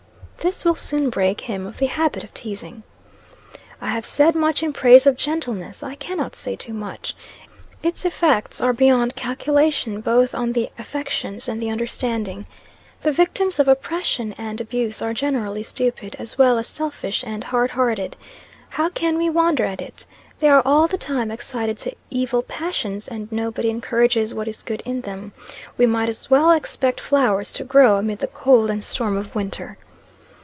This will soon break him of the habit of teasing. "I have said much in praise of gentleness. I cannot say too much. Its effects are beyond calculation, both on the affections and the understanding. The victims of oppression and abuse are generally stupid, as well as selfish and hard hearted. How can we wonder at it? They are all the time excited to evil passions, and nobody encourages what is good in them. We might as well expect flowers to grow amid the cold and storm of winter.